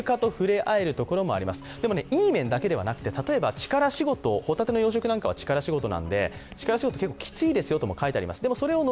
いい面だけではなくてホタテの養殖なんかは力仕事なので力仕事、きついですよとも書いてあります。